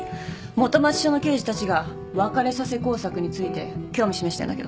元町署の刑事たちが別れさせ工作について興味示してんだけど。